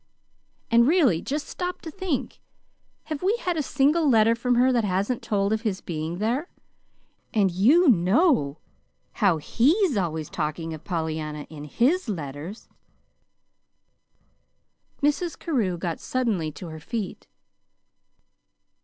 "And, really, just stop to think. Have we had a single letter from her that hasn't told of his being there? And you KNOW how HE'S always talking of Pollyanna in his letters." Mrs. Carew got suddenly to her feet.